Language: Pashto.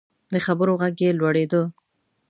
د خبرو غږ یې لوړیده.